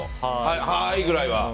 はーいくらいは。